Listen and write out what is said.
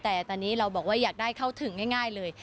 แต่ตอนนี้เราบอกว่าอยากได้เข้าถึงง่ายเลย